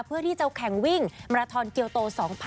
เพื่อที่จะแข่งวิ่งมาราทอนเกียวโต๒๐๑๖